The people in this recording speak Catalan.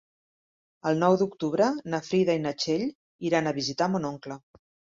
El nou d'octubre na Frida i na Txell iran a visitar mon oncle.